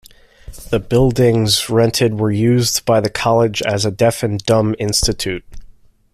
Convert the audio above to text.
The buildings rented were used by the College as a deaf and dumb institute.